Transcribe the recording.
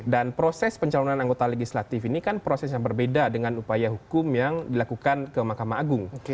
dan proses pencalonan anggota legislatif ini kan proses yang berbeda dengan upaya hukum yang dilakukan ke mahkamah agung